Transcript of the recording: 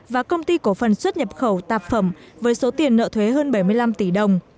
và công ty cổ phần xuất nhập khẩu tạp phẩm với số tiền nợ thuế hơn bảy mươi năm tỷ đồng